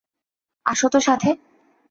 আসো তো সাথে!